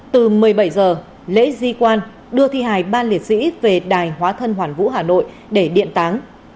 từ một mươi bảy h lễ di quan đưa thi hài ban liệt sĩ về đài hóa thân hoàn vũ hà nội để điện táng